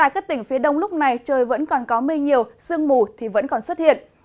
các tỉnh phía đông lúc này trời vẫn còn có mây nhiều sương mù thì vẫn còn xuất hiện